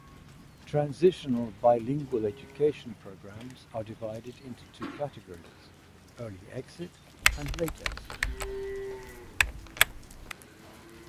Transitional Bilingual Education programs are divided into two categories: early-exit and late-exit.